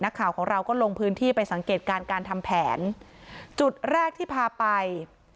ข่าวของเราก็ลงพื้นที่ไปสังเกตการณ์การทำแผนจุดแรกที่พาไป